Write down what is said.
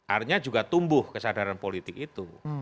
artinya juga tumbuh kesadaran politik itu